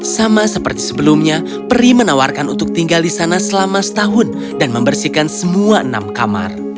sama seperti sebelumnya peri menawarkan untuk tinggal di sana selama setahun dan membersihkan semua enam kamar